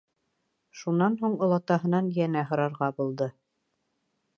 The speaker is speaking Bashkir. Шунан һуң олатаһынан йәнә һорарға булды: